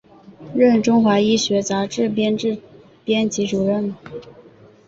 任中华医学杂志编辑主任。